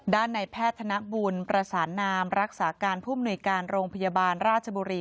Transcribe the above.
ด้านในแพทย์ธนบุญประสานนามรักษาการผู้มนุยการโรงพยาบาลราชบุรี